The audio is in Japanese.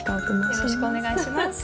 よろしくお願いします